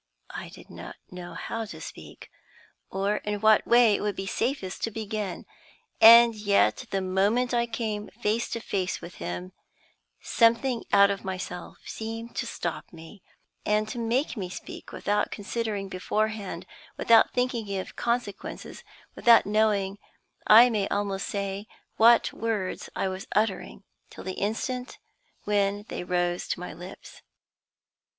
I did not know how to speak, or in what way it would be safest to begin; and yet, the moment I came face to face with him, something out of myself seemed to stop me, and to make me speak without considering beforehand, without thinking of consequences, without knowing, I may almost say, what words I was uttering till the instant when they rose to my lips.